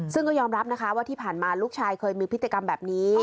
ซึ่งก็ยอมรับนะคะว่าที่ผ่านมาลูกชายเคยมีพฤติกรรมแบบนี้